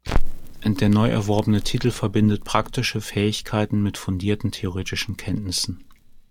Der neu erworbene Titel verbindet praktische Fähigkeiten mit fundierten theoretischen Kenntnissen.